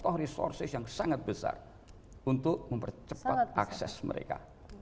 atau resources yang sangat besar untuk mempercepat akses mereka